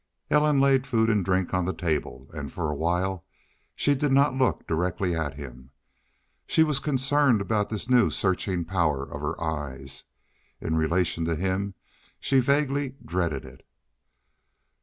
Ellen laid food and drink on the table; and for a little while she did not look directly at him. She was concerned about this new searching power of her eyes. In relation to him she vaguely dreaded it.